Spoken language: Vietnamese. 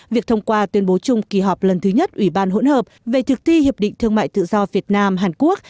việc thông qua tuyên bố chung kỳ họp lần thứ nhất ủy ban hỗn hợp về thực thi hiệp định thương mại tự do việt nam hàn quốc